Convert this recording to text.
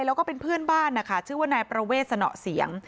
แล้วก็เป็นเพื่อนบ้านนะคะชื่อว่านายประเวทสนอเสียง